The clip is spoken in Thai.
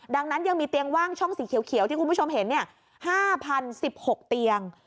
ดังนั้นยังมีเตียงว่างช่องสีเขียวที่คุณผู้ชมเห็น๕๐๑๖เตียง